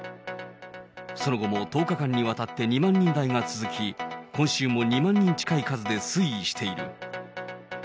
その後も１０日間にわたって２万人台が続き、今週も２万人近い数で推移している。